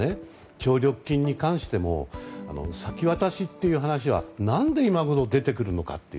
協力金に関しても先渡しという話は何で今ごろ出てくるのかという。